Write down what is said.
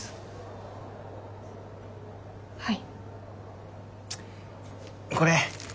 はい。